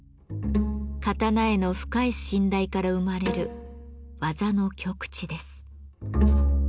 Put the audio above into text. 刀への深い信頼から生まれる技の極致です。